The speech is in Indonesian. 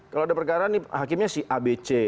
kalau ada perkara ini hakimnya si abc